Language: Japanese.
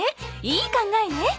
いい考えね！